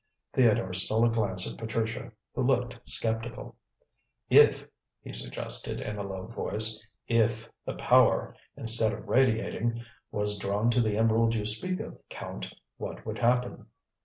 Theodore stole a glance at Patricia, who looked sceptical. "If," he suggested in a low voice, "if the power, instead of radiating, was drawn to the emerald you speak of, Count, what would happen?"